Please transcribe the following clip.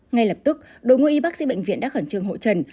ngay lập tức đội ngũ y bác sĩ bệnh viện đã khẩn trương hộ trần